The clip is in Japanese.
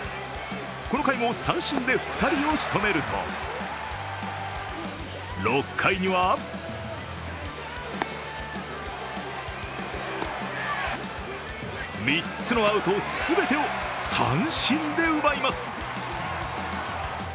この回も三振で２人をしとめると６回には３つのアウト全てを三振で奪います。